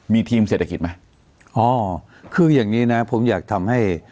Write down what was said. มีทีมเศรษฐกิจไหมอ๋อคืออย่างงี้นะผมอยากทำให้